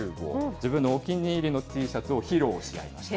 自分のお気に入りのＴシャツを披露し合いました。